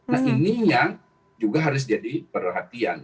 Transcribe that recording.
nah ininya juga harus jadi perhatian